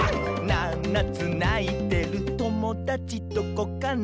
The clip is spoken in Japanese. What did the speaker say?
「ななつないてるともだちどこかな」